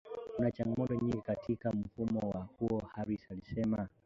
Kuna changamoto nyingi katika mfumo huo Harris alisema